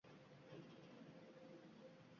Hozircha shu yolg‘iz yurak — uyimga